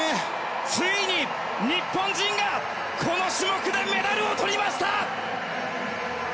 ついに、日本人がこの種目でメダルをとりました！